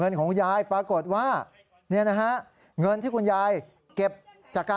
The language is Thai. เอ้านะ